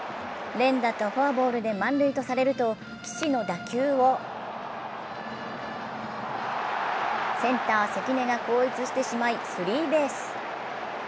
連打とフォアボールで満塁とされると岸の打球をセンター・関根が後逸してしまい、スリーベース。